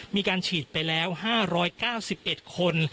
มีการฉีดไปแล้ว๕๙๑คน